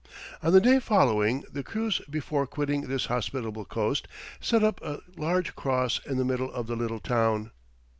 On the day following, the crews before quitting this hospitable coast, set up a large cross in the middle of the little town.